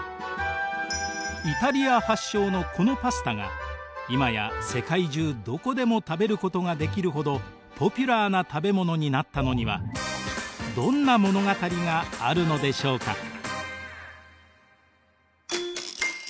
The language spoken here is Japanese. イタリア発祥のこのパスタが今や世界中どこでも食べることができるほどポピュラーな食べ物になったのにはどんな物語があるのでしょうか。